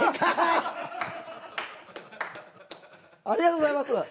ありがとうございます。